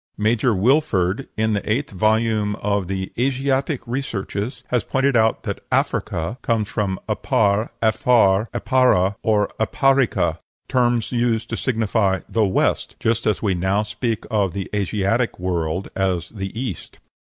Major Wilford, in the eighth volume of the "Asiatic Researches," has pointed out that Africa comes from Apar, Aphar, Apara, or Aparica, terms used to signify "the West," just as we now speak of the Asiatic world as "the East."